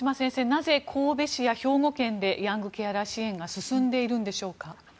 なぜ神戸市や兵庫県でヤングケアラー支援が進んでいるのでしょうか。